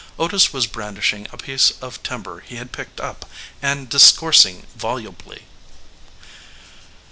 Otis was brandishing a piece of timber he had picked up, and discoursing volubly.